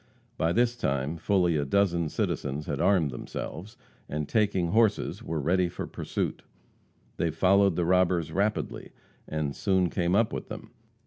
By this time fully a dozen citizens had armed themselves, and taking horses, were ready for pursuit. They followed the robbers rapidly, and soon came up with them.